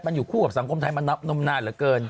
มันอยู่คู่กับสังคมไทยมานมนานเหลือเกิน